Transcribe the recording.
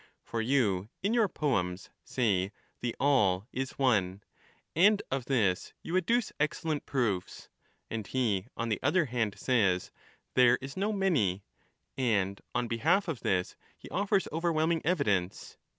For you, in your poems, say The thesis of All is one, and of this you adduce excellent proofs ; and he ^7* Aif is on the other hand says There is no many ; and on behalf one." of this he offers overwhelming evidence.